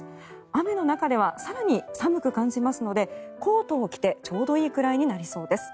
雨の中では更に寒く感じますのでコートを着てちょうどいいくらいになりそうです。